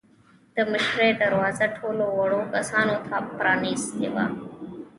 د مشرۍ دروازه ټولو وړو کسانو ته پرانیستې وه.